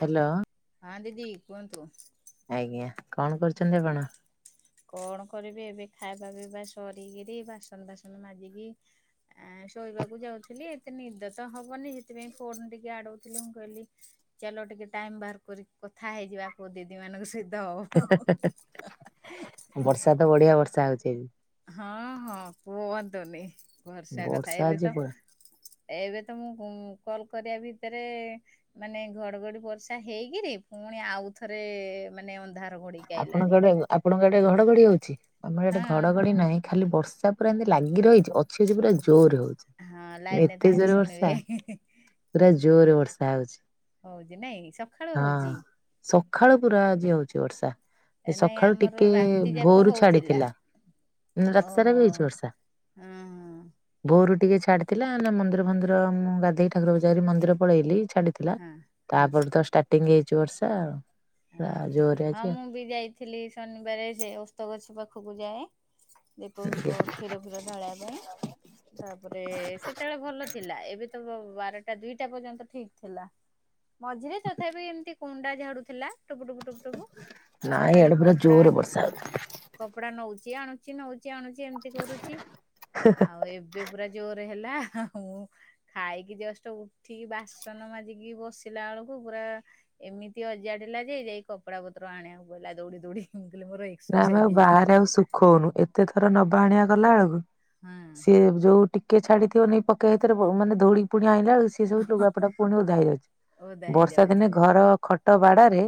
Hello. ହଁ ଦିଦି କୁହନ୍ତୁ? ଆଜ୍ଞା କଣ କରୁଛନ୍ତି ଆପଣ? କଣ କରିବି ଏବେ ଖାଇବା ପିଇବା ସରିକିରି ବାସନ ବାସନ ମାଜିକି ଆ ଶୋଇବାକୁ ଯାଉଥିଲି ଏତେ ନିଦ ତ ହବନି ସେଥିପାଇଁ ଫୋନ ଟିକେ ଆଡଉଥିଲେ ମୁଁ କହିଲି ଚାଲ ଟିକେ ଟାଇମ ବାହାର କରି କଥା ହେଇଯିବା କଉ ଦିଦି ମାନଙ୍କ ସହିତ ହଉ। ବର୍ଷା ତ ବଢିଆ ବର୍ଷା ହଉଛି ଆଜି। ହଁ ହଁ କୁହନ୍ତୁନି ଭର୍ଷା କଥା ବର୍ଷା ଏବେ ଆଜି ତ ପୁରା ଏବେ ତ ମୁଁ ଉଁ କଲ କରିବା ଭିତରେ ମାନେ ଘଡଘଡି ବର୍ଷା ହେଇକିରି ପୁଣି ଆଉ ଥରେ ମାନେ ଅନ୍ଧାର ଘୋଡିକି ଆପଣଙ୍କ ଆଇଲାଣି। ଆଡେ ଆପଣଙ୍କ ଆଡେ ଘଡଘଡି ହଉଛି ଆମର ଏଠେ ହଁ ଘଡଘଡି ନାହିଁ। ଖାଲି ବର୍ଷା ପୁରା ଏମିତି ଲାଗି ରହିଛି ଅଛି ଅଛି ପୁରା ଜୋର ହଉଛି। ହଁ ଲାଇନ ରେ ଏତେ ଥାନ୍ତୁ ଜୋରେ ବର୍ଷା ଶୁଣିବେ ହିଁ ହିଁ ହିଁ। ପୁରା ଜୋର ରେ ବର୍ଷା ହଉଛି। ହଉଛି ନାଇଁକି ସକାଳୁ ହଉଚି। ସଖାଳୁ ପୁରା ଆଜି ହଉଛି ବର୍ଷା। ନାଇଁ ସକାଳୁ ଆମର ଟିକେ ରାତି ଯାକ ଭୋରୁ ହଉଥିଲା। ଛାଡିଥିଲା। କିନ୍ତୁ ରାତିସାରା ଓହୋ ବି ହେଇଛି ବର୍ଷା। ହଁ ହଁ ଭୋରୁ ଟିକେ ଛାଡିଥିଲା ନା ମନ୍ଦିର ଫନ୍ଦିର ମୁଁ ଗାଧେଇକି ଠାରକୁ ପୂଜା କରିକି ମନ୍ଦିର ପଳେଇଲି। ଛାଡି ଥିଲା ହଁ ହଁ ତାପରେ ତ ଷ୍ଟାର୍ଟିଙ୍ଗ ହେଇଛି ବର୍ଷା। ପୁରା ହଁ। ଜୋରେ ହଁ ମୁଁ ବି ଯାଇଥିଲି ଶନିବାରେ ସେ ଓସ୍ତଗଛ ପାଖକୁ ଯାଏ। ଦୀପଫିପ କ୍ଷୀରଫୀର ଢଳିବା ପାଇଁ। ତାପରେ ସେତେବେଳେ ଭଲ ଥିଲା। ଏବେ ତ ବାରଟା ଦୁଇଟା ପର୍ଯ୍ୟନ୍ତ ଠିକ ଥିଲା। ମଝିରେ ତଥାପି ଏମିତି କୁଣ୍ଡା ଝାଡୁ ଥିଲା। ଟୁପୁ ଟୁପୁ ଟୁପୁ ଟପୁ। ନାଇଁ ଖାଲି ଇଆଡେ ପୁରା ଜୋରରେ କପଡାନ୍ ବର୍ଷା କପଡା ନଉଛି ଆଣୁଛି ନଉଛି ଆଣୁଛି ଏମିତି କରୁଛି। ହଉଛି। ଆଉ ଏ ଏବେ ପୁରା ଜୋରେ ହେଲା। ହା-ହା ଆଉ। ଖାଇକି ଜଷ୍ଟ ଉଠିକି ବାସନ ମାଜିକି ବସିଲା ବେଳକୁ ପୁରା ଏମିତି ଅଜାଡିଲା ଯେ ଯାଇକି କପଡା ପତର ଆଣିବାକୁ ପଇଲା। ଦୌଡି ଦୌଡି ମୁଁ କଇଲି ମୋର ନା ଆମେ ଏକ୍ସରସାଇଜ ଆଉ ହେଇଗଲା। ବାହାରେ ଆଉ ସୁଖଉନୁ। ଏତେ ଥର ନବା ଆଣିଆ କଲା ବେଳକୁ ହଁ ସିଏ ଯୋଉ ଟିକେ ଛାଡିଥିବ ନେଇ ପକେଇ ସେଇଥରେ ମାନେ ଧଉଡିକି ପୁଣି ଆଣିଲା ବେଳକୁ ସେ ସବୁ ଲୁଗାପଟା ପୁଣି ଓଦା ହେଇଯାଉଛି। ଓଦା ବର୍ଷା ଦିନେ ହେଇଯାଉଥିବ ଘର ଖଟ ବାଡାରେ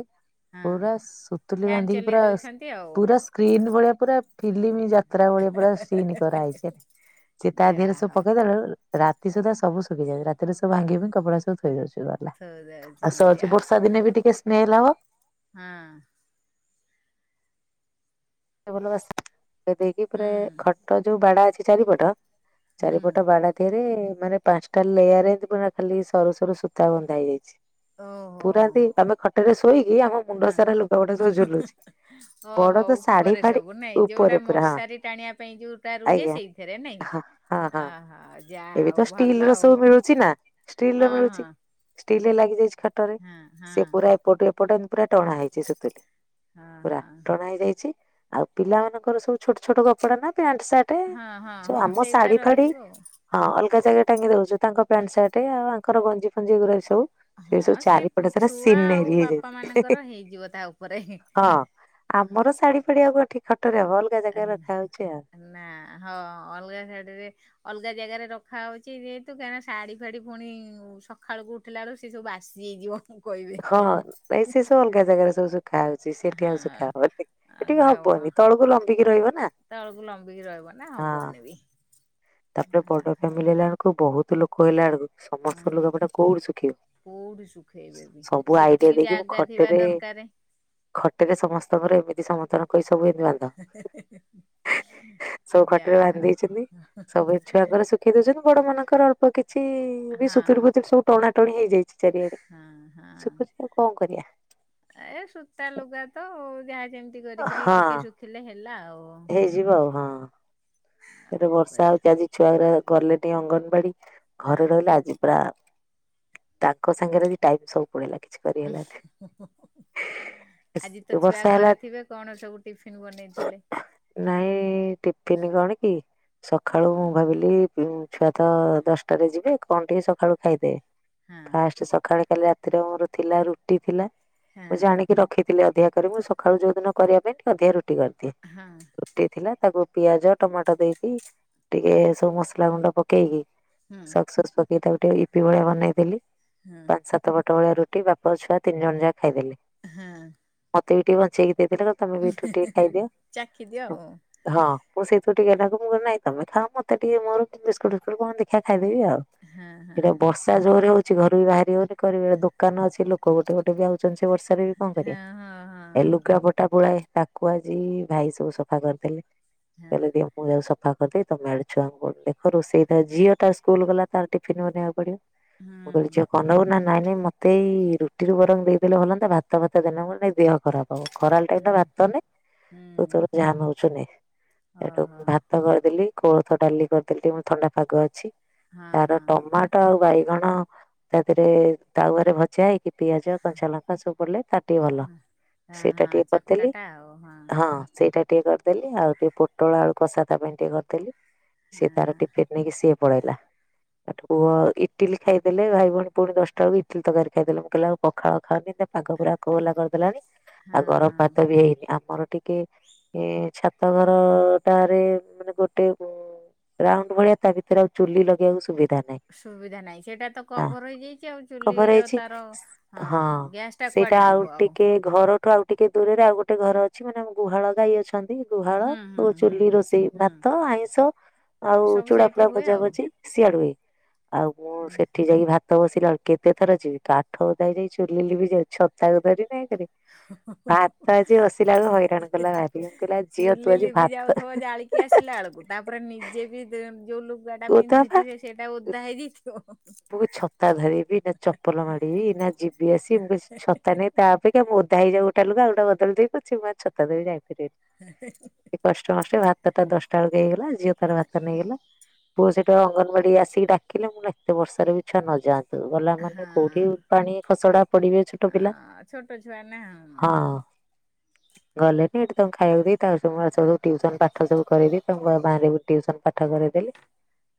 ହଁ ପୁରା ସୁତୁଲି ଫ୍ୟାନ ବାନ୍ଧିକି ଚଲେଇ ପୁରା ଦଉଛନ୍ତି ଆଉ ପୁରା ସ୍କ୍ରିନ୍ ଭଳିଆ ପୁରା ଫିଲ୍ମ ଯାତ୍ରା ଭଳିଆ ପୁରା ସିନି କରାହେଇଛି। ଚିତା ଦେହରେ ଯାହା ସବୁ ପକେଇଦେଲେ ରାତି ସୁଦ୍ଧା ସବୁ ଶୁଖିଯାଉଛି। ରା ରେ ସବୁ ଭାଙ୍ଗି କପଡା ସବୁ ଥୋଇ ଦୋଉଛି ଗଲା। ହଉ ଥୋଇ ଆଉ ଦଉଛନ୍ତି ସଛି ବର୍ଷା ଦିନେ ବି ଟିକେ ସ୍ମେଲ ହବ। ହଁ। ଭଲସ ଦେଇକି ପୁରା ହୁଁ ଖଟ ଯୋଉ ବାଡା ଅଛି ଚାରିପଟ ହୁଁ ଚାରିପଟ ବାଡା ସେଥିରେ ମାନେ ପାଞ୍ଚଟା ଲେୟାର ଏମତି ପୁରା ଖାଲି ସରୁ ସରୁ ସୂତା ବନ୍ଧା ହେଇଯାଇଛି। ଓହୋ ପୁରାନ୍ତି ଆମେ ଖଟରେ ଶୋଇକି ଆମ ମୁଣ୍ଡ ହଁ ସାରା ଲୁଗାପଟେ ସବୁ ଝୁଲୁଚି। ବଡ ଓହୋ ତ ସା ଉପରେ ସବୁ ନାଇଁ ଯୋଉଟା ମଶାରୀ ଟାଣିବା ପାଇଁ ଯୋଉଟା ରୁହେ ଆଜ୍ଞା ସେଇଥିରେ ନାଇଁ। ହଁ ହଁ ଆ ହଁ। ଏବେ ତ ଷ୍ଟିଲ ର ସବୁ ମିଳୁଛି ନା। ଷ୍ଟିଲ ର ମିଳୁଛି ହଁ ଷ୍ଟିଲରେ ଲାଗି ଯାଇଛି। ଖାଟ ରେ ହଁ। ହଁ ସେ ହଁ ପୁରା ଏପଟ ଏପଟ ପୁରା ଟଣା ହେଇଛି ସେତୁ। ହଁ ହଁ ପୁରା ଟଣା ହେଇଯାଇଛି। ଆଉ ପିଲାମାନଙ୍କର ସବୁ ଛୋଟ ଛୋଟ କପଡା ନା। ପ୍ୟାଣ୍ଟ ହଁ ହଁ ସାର୍ଟ ହଁ ଆମ ସେଇଗୁରା ଶାଢୀ ଫାଢୀ। ରହିଯିବ ଆଉ। ହଁ ଅଲଗା ଜାଗା ଟାଙ୍ଗି ଦଉଛୁ। ତାଙ୍କ ପ୍ୟାଣ୍ଟ ସାର୍ଟ ଆଉ ଆଙ୍କର ଗଞ୍ଜି ଫଞ୍ଜି ଏଗୁଡା ଏ ସବୁ। ସେ ସବୁ ହଁ ଚାରିପଟେ ସାରା ଛୁଆ ଆଉ ସିିନେରି ବାପା ହେଇଯାଇଚି। ହି ମାନଙ୍କର ହି ହେଇଯିବ ତା ଉପରେ। ହଁ। ଆମର ଶାଢୀ ଫାଡି ଆଉ କଣ ଅଠି କି ଖଟରେ ବ ଅଲଗା ଜାଗାରେ ରଖାହଉଛି ଆଉ। ନା ହଁ ଅଲଗା ଶାଢୀରେ ଅଲଗା ଜାଗାରେ ରଖା ହଉଛି ଯେହେତୁ କାହିଁକିନା ଶାଢୀ ଫାଢୀ ପୁଣି ସକାଳୁକୁ ଉଠିଲାରୁ ସେ ସବୁ ବାସି ହେଇଯିବ। ମୁଁ କହିବି ହଁ ଦାଇ ସେ ସଲ। ଜା ଜାଗାରେ ସବୁ ଶୁଖା ହଉଛି। ସେଠି ହଁ। ଆଉ ଶ ସୁଖା ହବନି। ଏଠିକି ଆଉ ହବନି ତଳକୁ ଲମ୍ବିକି ରହିବ ନା। ତଳକୁ ଲମ୍ବିକି ରହିବ ନା ହଁ। ହବନି ବି। ତାପରେ ବଡ ଫ୍ୟାମିଲି ହେଲାଳକୁ ବହୁତ ଲୋକ ହେଲାଳକୁ ହଁ ସମସ୍ତ ଲୁଗାପଟା କୋଉଠି ଶୁଖିବ? କୋଉଠି ଶୁଖେଇବେ ବି ସବୁ ଆଇଡିଆ ସେତିକି ଜାଗା ଥିବା ଦରକାରେ। ଖଟେରେ ସମସ୍ତଙ୍କର ଏମିତି ସମତ କହି ସବୁ ଏତି ବାନ୍ଧ ସବୁ ଖଟରେ ଯାହା ବାନ୍ଧି ହଉ। ଦେଇଛନ୍ତି। ସବୁ ଛୁଆଙ୍କର ଶୁଖେଇ ଦଉଛନ୍ତି। ବଡ ମାନଙ୍କର ଅଳ୍ପ କିଛି ବି ସୁତୁରି ହଁ ଫୁତୁରି ସବୁ ଟଣା ଟଣି ହେଇଯାଇଛି। ଚାରିଆଡେ ହଁ ହଁ। ଶିଖୁଛି କଣ କରିବା। ଏ ସୂତା ଲୁଗା ତ ଯାହା ଯେମିତି କରିକିରି ହଁ ଟିକେ ଶୁଖିଲେ ହେଲା ଆଉ। ଆଉ ହେଇଯିବ ଆଉ ହଁ। ଏ କଣ ବର୍ଷା କରିବା ହଉଛି ଆଜି ଛୁଆଗୁରା ଗଲେନି ଅଙ୍ଗନବାଡି। ଘରେ ହଁ ରହିଲେ ଆଜି ପୁରା ତାଙ୍କ ସାଙ୍ଗରେ ବି ଟାଇଟ ସବୁ ପଳେଇଲା କିଛି କରିହେଲାନି। [unintelligible] ଆଜି ତ ଛୁଆ ବର୍ଷା ହେଲା ଘରେ ଥିବେ କଣ ସବୁ ଟିଫିନ୍ ବନେଇଥିଲେ? ନାଇଁ ଟିଫିନ୍ କଣ କି ସକାଳୁ ମୁଁ ଭାବିଲି ଛୁଆ ତ ଦଶଟାରେ ଯିବେ କଣ ଟିକେ ସକାଳୁ ଖାଇଦେବେ। ହଁ ଫାଷ୍ଟ ସକାଳେ କାଲି ରାତିରେ ମୋର ଥିଲା ରୁଟି ଥିଲା ହଁ ମୁଁ ଜାଣି କି ରଖିଥିଲି ଅଧିକା କରି ମୁଁ ସକାଳୁ ଯୋଉ ଦିନ କରିବା ପାଇଁ ଟିକେ ଅଧିକା ରୁଟି କରିଦିଏ। ହଁ। ରୁଟି ଥିଲା ତାକୁ ପିଆଜ ଟମାଟୋ ଦେଇକି ଟିକେ ସବୁ ମସଲା ଗୁଣ୍ଡ ପକେଇକି ହୁଁ ସକ୍ସଫକ୍ସ ପକେଇକି ତାକୁ ଟିକେ ଇପି ଭଳିଆ ବନେଇଦେଲି ହୁଁ ପାଞ୍ଚ ସାତ ସାତ ପଟ ଭଳିଆ ରୁଟି ବାପ ଛୁଆ ତିନି ଜଣ ଯାକ ଖାଇଦେଲେ ହଁ। ମୋତେ ବି ଟିକେ ବଞ୍ଚେଇକି ଦେଇଦେଲେ ତମେ ବି ଏଠୁରୁ ଟିକେ ଖାଇଦିଅ। ଚାଖି ଦିଅ ଆଉ ହଁ ମୁଁ ସେଇଥିରୁ ଟିକେ ନାଁକୁ ତମେ ଖାଅ ମତେ ଟିକେ ମୋର ବିସ୍କୁଟୁ ଫିସ୍କୁଟ କଣ ଦେଖିଆ ଖାଇଦେବି ଆଉ। ହଁ ହଁ ଏଇଟା ବର୍ଷା ଜୋରରେ ହଉଛି ଘରୁ ବି ବାହାରି ହଉନି କରିବେ ଦୋକାନ ଅଛି ଲୋକ ଗୋଟେ ଗୋଟେ ଯାଉ [unintelligible] ବର୍ଷାରେ ବି କଣ ହଁ କରିବା ହଁ ଏ ହଁ। ଲୁଗା ପଟା ପୁଳାଏ ତାକୁ ଆଜି ଭାଇ ସବୁ ସଫା କରିଦେଲେ ହଁ କହିଲେ ଦିଅ ମୁଁ ଯାଉଛି ସଫା କରିଦେବି ତମେ ଆଡେ ଛୁଆଙ୍କୁ ଦେଖ ରୋଷେଇ ତ ଝିଅ ଟା ସ୍କୁଲ୍ ଗଲା ତାର ଟିଫିନ୍ ବନେଇ ବାକୁ ପଡିବ। ମୁଁ ହୁଁ କହିଲି ଝିଅ କଣ ନବୁ ନା ନାଇଁ ନାଇଁ ମତ ଏଇ ରୁଟିରୁ ବରଂ ଦେଇଦେଲେ ଭଲହନ୍ତା ଭାତ ଭାତ ଦେନା ମୋର ଟିକେ ଦେହ ଖରାପ୍। ହଉ ଖରାବେଳ ଟାଇମ୍ ଟା ହୁଁ ଭାତନେ ହୁଁ ତୁ ତୋର ଯାହା ନଉଚୁ ନେ। ସେଠୁ ଓହୋ ଭାତ କରିଦେଲି କୋଳଥ ଡାଲି କରିଦେଲି ଥଣ୍ଡା ପାଗ ଅଛି। ହଁ ତାର ହଁ। ଟମାଟ ଆଉ ବାଇଗଣ ତା ଥିରେ ତାୱାରେ ଭଜା ହେଇକି ପିଆଜ କଞ୍ଚା ଲଙ୍କା ସବୁ ପଡ଼ିଲେ ତାର ଟିକେ ଭଲ ହଁ ସେଇଟା ହଁ ଟିକେ ଚକଟା କରିଦେଲି ଟା ଆଉ ହଁ। ସେଇଟା ଟିକେ କରିଦେଲି ଆଉ ଟିକେ ପୋଟଳ ଆଳୁ କଷା ତା ପାଇଁ ଟିକେ କରିଦେଲି ସେ ତାର ହଁ ଟିଫିନ୍ ନେଇକି ସିଏ ପଳେଇଲା। ଏଠୁକୁ ଇଟିଲି ଖାଇଦେଲେ ଭାଇ ଭଉଣୀ ପୁଣି ଦଶଟା ବେଳକୁ ଇଟିଲି ତରକାରୀ ଖାଇଦେଲେ ମୁଁ କହିଲି ଆଉ ପଖାଳ ଖାଅନୀ ପାଗ ପୁରା କୋହଲା କରିଦେଲାଣି ଆଉ ହଁ ଗରମ ହଁ ଭାତ ବି ହେଇନି ଆମର ଟିକେ ଏ ଛାତ ଘର କୋଠାଘରେ ମାନେ ଗୋଟେ ରାଉଣ୍ଡୁ ଭଳିଆ ତା ଭିତରେ ଆଉ ଚୁଲି ଲଗେଇବାକୁ ସୁବିଧା ନାହିଁ ସୁବିଧା ନାଇଁ ସେଇଟା ତ ନା କଭର ହେଇଯାଇଛି ଆଉ କଭର ଚୁଲିର ହେଇଛି ତାର ହଁ ଗ୍ୟାସ ଟା ସେଇଟା କୁଆଡେ ଯିବ ଆଉ। ଟିକେ ଘରଠୁ ଆଉ ଟିକେ ଦୂରରେ ଆଉ ଗୋଟେ ଘର ଅଛି ମାନେ ଆମ ଗୁହାଳ ଗାଈ ଅଛନ୍ତି ଗୁହାଳ ହୁଁ ଓ ହୁଁ ହୁଁ ଚୁଲି ରୋଷେଇ ହୁଁ ଭାତ ଆଇଁଷ ଆଉ ସବୁ ଚୁଡ଼ା ସେଇଠି ଫୁଡା ହୁଏ ଭଜା ଆଉ ଭଜି। ସିଆଡୁ ହୁଏ ଆଉ ମୁଁ ସେଠି ଯାଇକି ଭାତ ଭାତ ବସିଲା କେତେଥର ଯିବି କାଠ ଓଦା ହେଇଯାଉଛି ଚୁଲି ଲିଭିଯାଉଛି ଛତା କୁ ଧରିିବି ଏକେରେ ଭାତ ଆଜି ବସିଲା ବେଳକୁ ହଇରାଣ କଲା ଭାରି ମୁଁ କହିଲି ଝିଅ ତୁ ଚୁଲି ଆଜି ଭାତ [unintelligible] ଜାଳିକି ଆସିଲା ବେଳକୁ ତାପରେ ନିଜେ ବି ଯୋଉ ଲୁଗା ଟା ଓଦା ପିନ୍ଧିଥିବେ ସେଇଟା ଓଦା ହେଇଯାଇଥିବ। କୁ ଛତା ଧରିବି ନା ଚପଲ ମାଡ଼ିବି ନା ଯିବି ଆସିବି ମୁଁ କହିଲି ଛତା ନେଇ ତା ଅପେକ୍ଷା ମୁଁ ଓଦା ହେଇଯାଉ ଗୋଟେ ଲୁଗା ଆଉ ଗୋଟା ବଦଳି ଦେବି ପଛକେ ମୁଁ ଛତା ଧରିକି ଯାଇପାରିବନି ହି ହି କଷ୍ଟ ମଷ୍ଟେ ଭାତ ଟା ଦଶଟା ବେଳକୁ ହେଇଗଲା ଝିଅ ତାର ଭାତ ନେଇଗଲା। ପୁଅ ସେଇଠୁ ଅଙ୍ଗନବାଡି ଆସିକି ଡାକିଲେ ମୁଁ ଏତେ ବର୍ଷାରେ ବି ଛୁଆ ନଯାଆନ୍ତୁ ଗଲା ହଁ ମାନେ କୋଉଠି ପାଣି ଖସଡା ପଡିବେ ଛୋଟ ପିଲା। ହଁ ଛୋଟ ଛୁଆ ନା ହଁ। ଗଲେନି ଏଠି ତାଙ୍କୁ ଖାଇବାକୁ ଦେଇ ତାଙ୍କ ସବୁ ଟ୍ୟୁସନ ପାଠ ସବୁ କରେଇଦେବି। ବାଁରେ କି ଟ୍ୟୁସନ ପାଠ କରିଇଦେଲି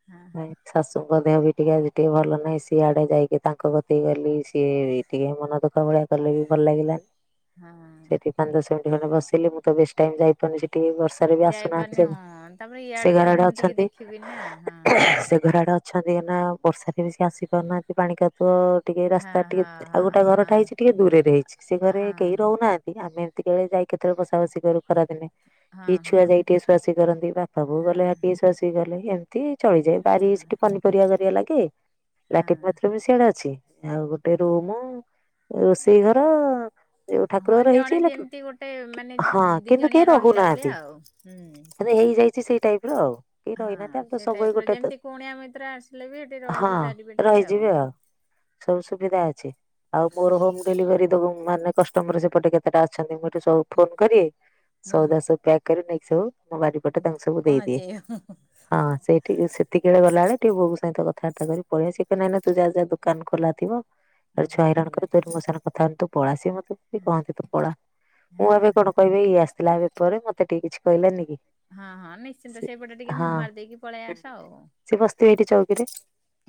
ହଁ ନାଇଁ ଶାଶୁଙ୍କ ଦେହ ବି ଟିକେ ଆଜି ଟିକେ ଭଲ ନାହିଁ ସିଆଡେ ଯାଇକି ତାଙ୍କ କତିକି ଗଲି [unintelligible] ମନ ଦୁଃଖ ଭଳିଆ କଲେ ବି ଭଲ ଲାଗିଲାନି ହଁ ସେଠି ପାଞ୍ଚ ଦଶ ମିନିଟ ଖଣ୍ଡେ ବସିଲି ମୁଁ ତ ବେଶୀ ଟାଇମ୍ ଯାଇପାରୁିନି ସେଠିକି ବର୍ଷା ବି ଆସୁନାହାନ୍ତି ଯାଇପାରୁନି ସବୁ ହଁ ତାପରେ ସେ ଇଆଡେ ତ ଘରଆଡେ ପୁଣି ଟିକେ ଅଛନ୍ତି ଦେଖିବି ନା ହଁ ସେ ଘର ଆଡେ ଅ ଅଛନ୍ତିନା ବର୍ଷାରେ ବି ସେ ଆସି ପାରୁନାହାନ୍ତି ପାଣିକାଦୁଅ ଟିକେ ରାସ୍ତା ହଁ ହଁ ଟିକେ ଆଉ ଗୋଟେ ଘରଟା ହଁ ହେଇଚି ଟିକେ ଦୂରରେ ହେଇଚି ସେ ଘରେ ହଁ କେହି ରହୁନାହାନ୍ତି ଆମେ ଏତିକି ବେଳେ ଯାଇ କେତେବେଳେ ବସାବସି କରୁ ଖରାଦିନେ। ହଁ କି ଛୁଆ ଯାଇ ହଁ ଟିକେ ଶୁଆଶୁଇ କରନ୍ତି ବାପାବୋଉ ଗଲେ ଆ ଟିକେ ଶୁଆଶୁଇ କଲେ ଏମ୍ ମତି ଚଳିଯାଏ ବାରି ସେଠି ପନିପରିବା ପରିବା ଲାଗେ ହଁ ଲାଟିନ ବାଥରୁମ୍ ମିଶି ଇଆଡେ ଅଛି ଆଉ ଗୋଟେ ରୁମୁ ରୋଷେଇ ଘର ଏ ଉ ଠାକୁର ହଁ ଘର ହେଇଚି ଜଣେ ହେଲେ କ ଯେମିତି ଗୋଟେ କି ମାନେ ହଁ ଦି କିନ୍ତୁ ଜଣିଆ କେହି ରହିଲା ଭଳିଆ ରହୁନାହାନ୍ତି। ଆଉ ହୁଁ। ହେଟା ହେଇଯାଇଚି ସେଇ ଟାଇପର ଆଉ। କେହି ହଁ ରହିନାହାନ୍ତି ଆମେ ତ ସେ ସବୁ ଏଇ ଟାଇପର ଗୋଟେ ତ- ଯେମତି କୁଣିଆ ମିତ୍ର ଆସିଲେ ବି ହେଠି ହଁ ରହିିବି ପାରିବେ ଟିକେ ଆଉ। ସବୁ ସୁବିଧା ଅଛି ଆଉ ମୋର ହୋମ ଡେଲିଭରି ଦୋବୁ ମାନେ କଷ୍ଟମର ସେପଟେ କେତ ସେଟା ଅଛନ୍ତି ମୁଁ ଏଠି ସବୁ ଫୋନ କରି ହୁଁ ସୋଉଦା ସବୁ ପ୍ୟାକ୍ କରି ନେଇକି ସବୁ ମୁଁ ବାରିପଟେ ତାଙ୍କୁ ସବୁ ଦେଇଦିଏ, ପହଞ୍ଚେଇବ ହଁ ସେଇ ଟିକେ ସେତିକିିବେଳେ ଗଲାବେଳେ ଟିକେ ବୋଉଙ୍କ ସହିତ କଥାବାର୍ତ୍ତା କରି ପଳେଇଆ ସେ କହିବେ ନା ନା ତୁ ଯା ଯା ଦୋକାନ ଖୋଲା ଥିବ। ନଲେ ଛୁଆ ଦୋକାନ ହଇରାଣ ଖୋଲା କରେ ତୁ ଥିବ ଏଠୁ ମୋ ସାଙ୍ଗରେ କଥାହୋନି ତୁ ପଳା ସିଏ ମତେ ବି କହନ୍ତି ତୁ ପଳା। ହଁ। କହିବେ ଇଏ ଆସିଥିଲା ଏବେ ପରେ ମତେ ଟିକେ କିଛି କହିଲାନି କି। ହଁ ହଁ ନିଶ୍ଚିନ୍ତ ସେ ସେଇପଟେ ଟିକେ ହଁ। ମୁହଁ ମାରିଦେଇକି ପଳେଇ ଆସ ଆଉ। ଏଠି ଚୌକିରେ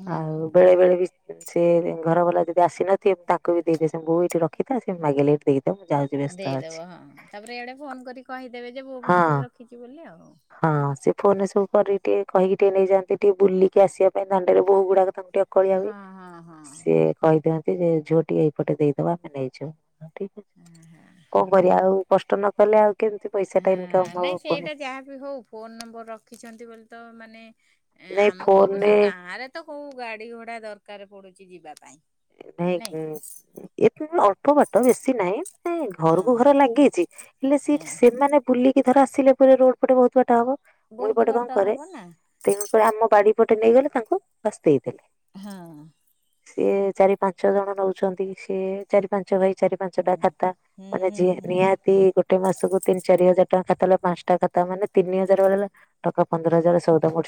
ହୁଁ। ଆଉ ବେଳେବେଳେ ବି ସିଏ ଦି ଘରବାଲା ଯଦି ଆସିନଥିବେ ମୁଁ ତାଙ୍କୁ ବି ଦେଇଦିଏ ସେ ବୋଉ ଏଠି ରଖିଥା ସେ ମାଗିଲେ ଏଟି ଦେଇଦବ ମୁଁ ଯାଉଚି। ଦେଇଦବ ହଁ ତାପରେ ୟାଡେ ଫୋନ କରିକି କହିଦେବେ ଯେ ବୋଉ ହଁ ପାଖରେ ରଖିଚି ବୋଲି ଆଉ। ହଁ ସିଏ ଫୋନରେ ସବୁ କରିକି ଟିକେ କହିକି ଟିକେ ନେଇଯାଆନ୍ତି ଟିକେ ବୁଲିକି ଆସିବା ପାଇଁ ଦାଣ୍ଡରେ ବୋହୂଗୁଡାକ ତାଙ୍କୁ ଟିକେ କଳିଆ ହୁଏ ହଁ ହଁ ହଁ ସିଏ କହିଦିଅନ୍ତି ଯେ ଝୁଅ ଟିକେ ଏଇପଟେ ଦେଇଦବ ଆମେ ନେଇଯିବୁ ଠିକି କଣ କରିବା ଆଉ କଷ୍ଟ ନକଲେ ଆଉ କେମିତି ପଇସାଟା ଇନକମ୍ ହବ ପୁଣି। ଯାହା ବି ହୋଉ ଫୋନ ନମ୍ବର ରଖିଛନ୍ତି ବୋଲି ତ ମାନେ ନାଇଁ ଆମକୁ ଅବଶ୍ୟ ଫୋନରେ ଗାଁରେ ତ କୋଉ ଗାଡିଘୋଡା ଦରକାର ପଡୁଚି ଯିବାପାଇଁ। ନାହିଁ କି ଏତେ ନୁହଁ ଅଳ୍ପ ବାଟ ବେଶି ନାହିଁ ଏ ଘରକୁ ହଁ ଘର ଲାଗିଚି ହେଲେ ହଁ ସେଇଠି ସେମାନେ ବୁଲିକି ଧର ଆସିଲାପରେ ରୋଡ ପଟେ ବୋହୁତ ବାଟ ହବ ମୁଁ ବହୁତ ଏଇପଟେ କଣ ବାଟ କରେ ହବ ନା ତେଣୁକରି ଆମ ବାଡି ପଟେ ନେଇଗଲେ ତାଙ୍କୁ ବାସ୍ ଦେଇଦେଲେ। ହଁ। ସିଏ ଚାରିପାଞ୍ଚ ଜଣ ନୋଉଚନ୍ତି ସିଏ ଚାରିପାନ୍ ପାଞ୍ଚ ଭାଇ ହୁଁ। ଚାରିପାଞ୍ଚଟା ଖାତା ହୁଁ ମାନେ ହୁଁ ଯିଏ ହୁଁ। ନିହାତି ଗୋ ଗୋଟେ ମାସକୁ ତିନି ଚାରିହଜାର ଟଙ୍କା ଖାତା ହେଲା ପାଞ୍ଚଟା ଖାତା ମାନେ ତିନି ହଜାରେ ବଳିଲେ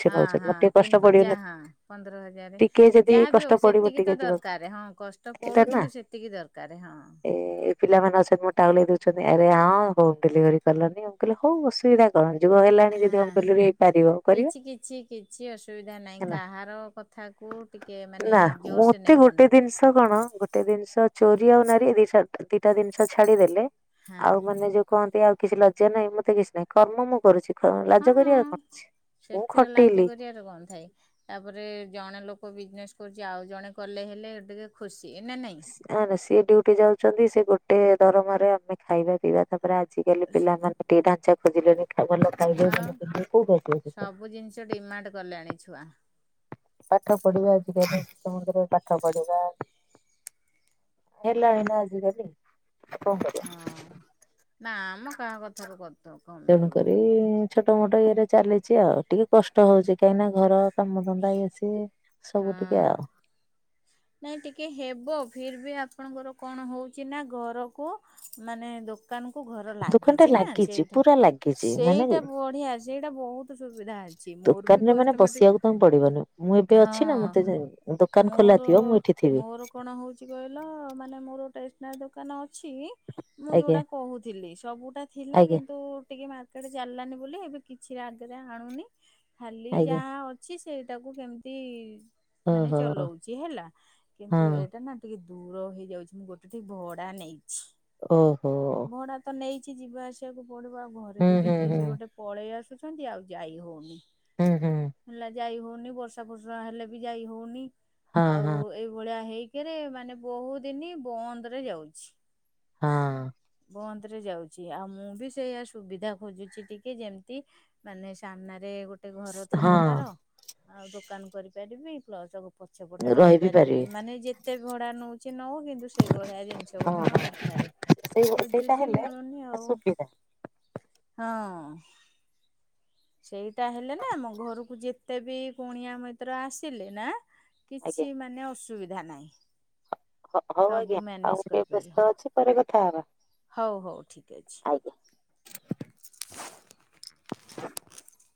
ହଁ ହଁ କଷ୍ଟ ତିନ ପଡିବନି ପଞ୍ଚା ହଁ ପନ୍ଦର ହଜାରେ। ଟିକେ ଯଦି ଯାହା ବି କଷ୍ଟ ହୋଉ ପଡିବ ସେତିକି ଟିକେ ତ ଯିବାକୁ ଦରକାରେ ହଁ କଷ୍ଟ ଏଇଟା ପଡୁ ନା କିନ୍ତୁ ସେତିକି ଦରକାର ହଁ। ଏ ପିଲାମାନେ ଅଛନ୍ତି ମ ଟାହୁଲେଇ ଦୋଉଛନ୍ତି ଆରେ ହଁ ହୋମ ଡେଲିଭରି କଲନି ଆଉ ମୁଁ କହିଲି ହୋଉ ଅସୁବିଧା କଣ ଯୁଗ ହେଲାଣି ଯଦି ହୋମ ହାଁ ଡେଲିଭରି ହେଇପାରିବ କରିବା କିଛି କିଛି କିଛି ଅସୁବିଧା ନାହିଁ ହେଲା କାହାର କ କଥାକୁ ଟିକେ ମାନେ ନା ଜୋରସେ ମତେ ନେ ଗୋଟେ ଦିନଷ କଣ ଗୋଟେ ଦିନଷ ଚୋରି ଆଉ ନାରୀ ଏଇ ଦି ଛାଡ ଏ ଦିଟା ଜିନଷ ଛାଡିଦେଲେ ହଁ। ଆଉ ମାନେ ଯୋଉ କହନ୍ତି ଆଉ କିଛି ଲଜ୍ୟା ନାହିଁ ମତେ କିଛି ନାହିଁ କର୍ମ ମୁଁ କରୁଚି। ହଁ ଲାଜ କରିବାର କଣ ଅଛି ମୁଁ ଖଟିଲି। ପିଆଜ ଗନ୍ଧାଏ। ତାପରେ ଜଣେ ଲୋକ ବିଜନେସ୍ କରୁଚି ଆଉ ଜଣେ କଲେ ହେଲେ ଟିକେ ଖୁସି ନା ନାଇଁ। ଆ ନା ସିଏ ଡିଉଟି ଯାଉଚନ୍ତି ସେ ଗୋଟିଏ ଦରମାରେ ଆମେ ଖାଇବା ପିଇବା ତାପରେ ଆଜିକାଲି ପିଲାମାନେ ଟିକେ ଢାଞ୍ଚା ଖୋଜିଲେଣି ଖାଉ ଭଲ ଖାଇବେ ଭଲ ଆଉ ପିନ୍ଧିବେ କୋଉଠୁ ଆସିବ ସେ ସବୁ ଜିନିଷ ଡିମାଣ୍ଡ କଲେଣି ଛୁଆ। ପାଠ ପଢିବା ଆଜିକାଲି ଶିଶୁ ମନ୍ଦିରରେ ପାଠ ପଢିବା। ହେଲାଣି ନା ଆଜିକାଲି କଣ କ ହଁ ନାଆମ କାହା କଥାରୁ କଥ କଣ ମିଳିବ। ତେଣୁକରି ଛୋଟ ମୋଟ ଇଏରେ ଚାଲିଚି ଆଉ ଟିକେ କଷ୍ଟ ହୋଉଚି କାହିଁକି ନା ଘର କାମ ଧନ୍ଦା ଇଏ ସିଏ। ସବୁ ହଁ। ଟିକେ ଆଉ ନାଇଁ ଟିକେ ହେବ ଫିର ବି ଆପଣଙ୍କର କଣ ହଉଚି ନା ଘରକୁ ମାନେ ଦୋକ ଦୋକାନକୁ ଘର ଦୋକାନ ଟା ଲାଗିଚି ନା ଲାଗିଛି ସେଇଟା, ପୁରା ଲାଗିଛି ମାନେ ସେଇଟା ବଢିଆ ସେଇଟା ବହୁତ ସୁବିଧା ଅଛି, ମୋର ବି କଷ୍ଟମେଟିକ କଣ ପଡିବନି ମୁଁ ଏବେ ଅଛି ନା ହଁ। ମତେ ଦୋକାନ ଖୋଲା ମୋର ଥିବ ମୁଁ ଏଠି ଥିବି। ମୋର କଣ ହେଉଛି କହିଲ ମାନେ ମୋର ଟେସନାରୀ ଦୋକାନ ଅଛି ମୁଁ ଆଜ୍ଞା ଯୋଉଟା କହୁଥିଲି ସବୁଟା ଥିଲା ଆଜ୍ଞା କିନ୍ତୁ ଟିକେ ମା ମାର୍କେଟ ଚାଲିଲାନି ବୋଲି ଏବେ କିଛି ରାଗେରେ ଆଣୁନି ଖାଲି ଆଜ୍ଞା। ଯାହା ଅଛି ସେଇଟାକୁ କେମିତି ତି ମାନେ ଚଲଉଛି ହେଲା କିନ୍ତୁ ଏଇଟା ନା ଟିକେ ଦୂର ହେଇଯାଉଛି, ମୁଁ ଗୋଟେ ଠେଇ ଭଡା ନେଇଛି, ଭଡା ତ ନେଇଛିି ଯିବା ଆସିବାକୁ ପଡ଼ିବ ଆଉ ଘରେ ଯଦି କିଏସେ ଗୋଟେ ପଳେଇ ଆସୁଛନ୍ତି ଆଉ ଯାଇ ହଉନି। ହେଲା ଯାଇ ହଉନି ବର୍ଷା ଫର୍ଷା ହେଲେ ବି ଯାଇ ହଉନି ହଁ, ଆଉ ହଁ, ଏଇ ଏଇ ଭଳିଆ ହେଇକିରି ମାନେ ବହୁତ ଦିନ ବନ୍ଦରେ ଯାଉଛି। ହଁ। ବନ୍ଦରେ ଯାଉଛି ଆଉ ମୁଁ ବି ସେଇୟଆ ସୁବିଧା ଖୋଜୁଛି ଟିକେ ଯେମିତି ମାନେ ସାମ୍ନାରେ ଗୋଟେ ଘର ଥିବ ହଁ ତାର ଆଉ ଦୋକାନ କରିପାରିବି ପ୍ଲସ ପଛ ପଟେ ରହିପାରିବି ରହିବିପାରିବି। ମାନେ ଯେତେ ଭଡା ନଉଛି ନଉ କିନ୍ତୁ ସେଇଭଳିଆ ଜିନିଷ ହଁ, ଗୋଟେ ମୋତେ ହଁ ଦରକାର ସେଇ ସେଇଟା ଖୋଜୁଛି ହେଲେ ମିଳୁନି ଆଉ। [inaudible] ହଁ। ସେଇଟା ହେଲେ ନା ମୋ ଘରକୁ ଯେତେ ବି କୁଣିଆ ମତର ଆସିଲେ ନା ଆଜ୍ଞା। କିଛି ମାନେ ଅସୁବିଧା ନାହିଁ ହ ହଉ ଆଜ୍ଞା ସବୁ ଆଉ ମ୍ୟାନେଜ ମୁଁ ଟିକେ ବ୍ୟସ୍ତ କରିପାରିବ ଅଛି ପରେ କଥା ହବା। ହଉ ହଉ ଠିକ ଅଛି। ଆଜ୍ଞା। [inaudible]